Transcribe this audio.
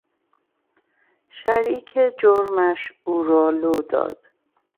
شریک جرمش او را لو داد.